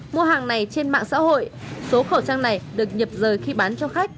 mua hàng này trên mạng xã hội số khẩu trang này được nhập rời khi bán cho khách